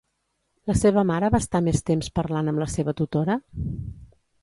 La seva mare va estar més temps parlant amb la seva tutora?